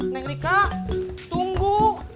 neng rika tunggu